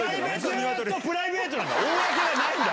公はないんだよ